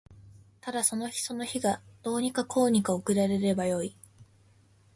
ただその日その日がどうにかこうにか送られればよい